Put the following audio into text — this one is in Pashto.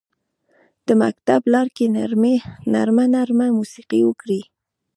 د مکتب لارکې نرمه، نرمه موسیقي وکري